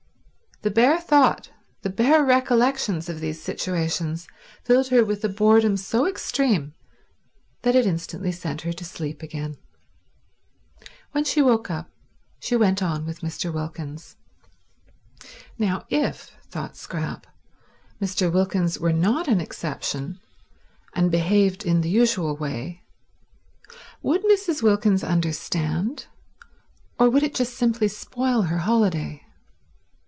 The bare thought, the bare recollection of these situations, filled her with a boredom so extreme that it instantly sent her to sleep again. When she woke up she went on with Mr. Wilkins. Now if, thought Scrap, Mr. Wilkins were not an exception and behaved in the usual way, would Mrs. Wilkins understand, or would it just simply spoil her holiday?